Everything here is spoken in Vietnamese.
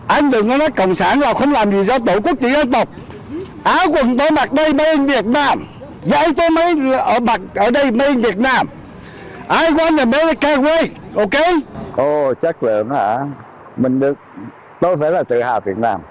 anh đừng nói nói cộng sản là không làm gì cho tổ quốc cho dân tộc